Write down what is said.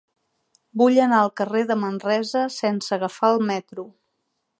Vull anar al carrer de Manresa sense agafar el metro.